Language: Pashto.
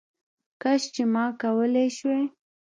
کش چي ما کولې شواې